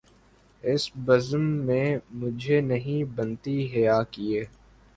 اس بزم میں مجھے نہیں بنتی حیا کیے